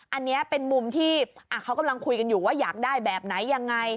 อันนี้เป็นมุมที่เขากำลังคุยกันอยู่ว่าอยากได้แบบไหนยังไง